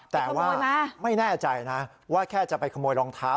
แต่ว่าไม่แน่ใจนะว่าแค่จะไปขโมยรองเท้า